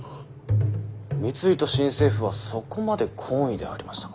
三井と新政府はそこまで懇意でありましたか。